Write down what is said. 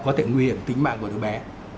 có thể nguy hiểm tính mạng của đứa bé